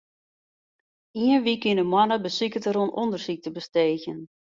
Ien wike yn 'e moanne besiket er oan ûndersyk te besteegjen.